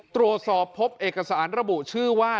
ตรวจสอบพบเอกสารระบุชื่อว่า